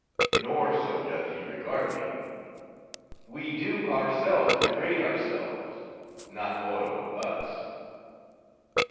Nor so doth he regard me. We do ourselves degrade ourselves, not Oro us.